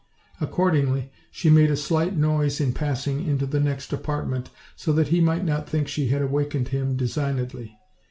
Accordingly, she made a slight noise in passing into the next apart ment, so that he might not think she had awakened him designedly.